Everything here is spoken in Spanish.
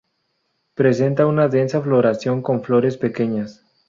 Presenta una densa floración con flores pequeñas.